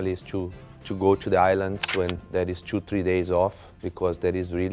กินที่อื่นและความรู้สึกสุขของพักการมัน